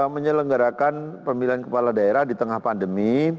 menyelenggarakan pemilihan kepala daerah di tengah pandemi